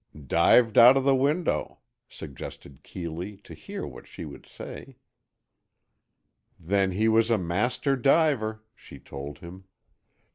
"Dived out of the window," suggested Keeley, to hear what she would say. "Then he was a master diver," she told him.